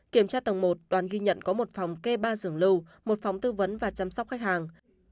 kiểm tra tầng một đoàn ghi nhận có một phòng kê ba xưởng lưu một phòng tư vấn và chăm sóc khách hàng